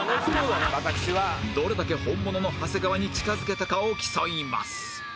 どれだけ本物の長谷川に近付けたかを競います